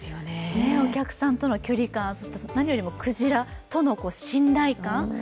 お客さんとの距離感、そして何よりもクジラとの信頼感。